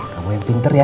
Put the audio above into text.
kamu yang pinter ya